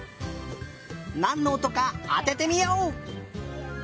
なんのおとかあててみよう！